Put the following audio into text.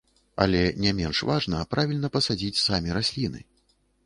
Але не менш важна правільна пасадзіць самі расліны.